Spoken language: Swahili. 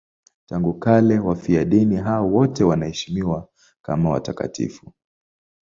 Tangu kale wafiadini hao wote wanaheshimiwa kama watakatifu.